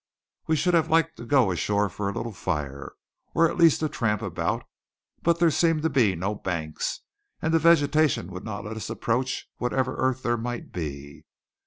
We should have liked to go ashore for a little fire, or at least a tramp about; but there seemed to be no banks, and the vegetation would not let us approach whatever earth there might be.